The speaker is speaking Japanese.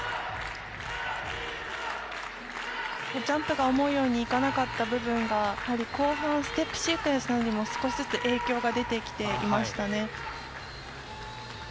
ジャンプが思うようにいかなかった部分がやはり後半ステップシークエンスにも少しずつ影響が出てきていましたね。